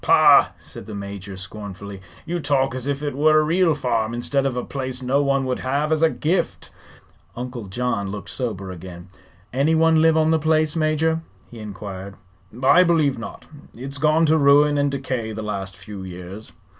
"Pah!" said the Major, scornfully. "You talk as if it were a real farm, instead of a place no one would have as a gift." Uncle John looked sober again. "Anyone live on the place, Major?" he inquired. "I believe not. It's gone to ruin and decay the last few years."